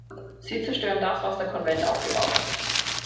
Sie zerstören das, was der Konvent aufgebaut hat.